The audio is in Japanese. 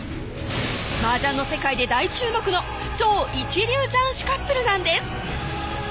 麻雀の世界で大注目の超一流雀士カップルなんです！